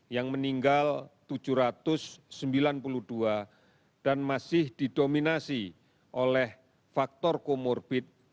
yang meninggal tujuh ratus sembilan puluh dua dan masih didominasi oleh faktor komorbit